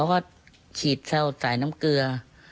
ใช่เขาก็ฉีดเข้าสายน้ำเกลือ